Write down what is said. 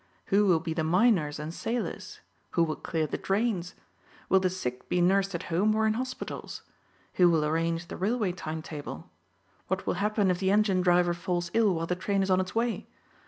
Who will be the miners and sailors? Who will clear the drains? Will the sick be nursed at home or in hospitals? Who will arrange the railway time table? What will happen if the engine driver falls ill while the train is on its way?